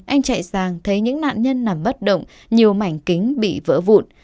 anh chạy sang thấy những nạn nhân nằm bất động nhiều mảnh kính bị vỡ vụt